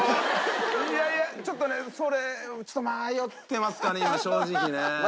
いやいやちょっとねそれちょっと迷ってますかね正直ね。